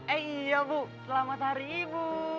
eh iya bu selamat hari ibu